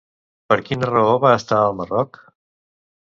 Per quina raó va estar al Marroc?